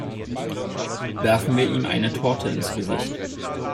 Werfen wir ihm eine Torte ins Gesicht?